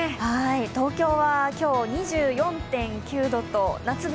東京は今日、２４．９度と夏日